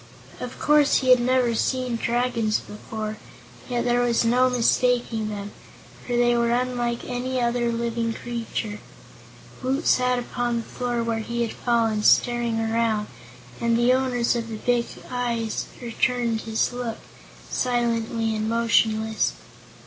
Of course he had never seen Dragons before, yet there was no mistaking them, for they were unlike any other living creatures. Woot sat upon the floor where he had fallen, staring around, and the owners of the big eyes returned his look, silently and motionless.